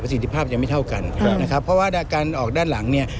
สิทธิภาพยังไม่เท่ากันนะครับเพราะว่าการออกด้านหลังเนี่ย